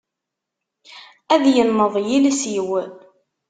Ad yenneḍ yiles-iw.